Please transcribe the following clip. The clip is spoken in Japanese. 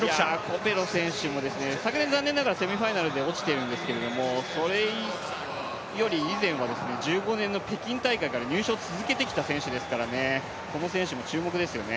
コペロ選手も、昨年残念ながらセミファイナルで落ちているんですけど、それより以前は１５年の北京大会から入賞を続けてきた選手ですから、この選手も注目ですね。